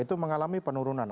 itu mengalami penurunan